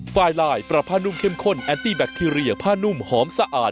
ไฟลายปรับผ้านุ่มเข้มข้นแอนตี้แบคทีเรียผ้านุ่มหอมสะอาด